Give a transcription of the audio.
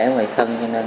em lại xe